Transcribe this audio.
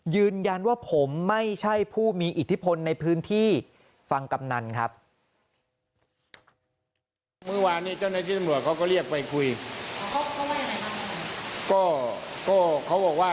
ยืนยันว่าผมไม่ใช่ผู้มีอิทธิพลในพื้นที่ฟังกำนันครับ